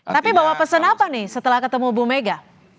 tapi bawa pesan apa nih setelah ketemu bu mega